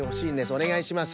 おねがいします。